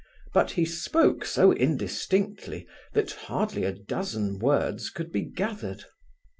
But he spoke so indistinctly that hardly a dozen words could be gathered.